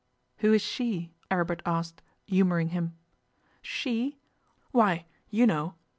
'Who is she?' Aribert asked, humouring him. 'She! Why, you know!